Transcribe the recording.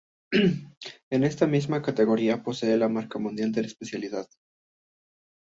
En esta misma categoría posee la marca mundial de la especialidad.